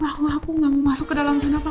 aku gak mau masuk ke dalam sana pak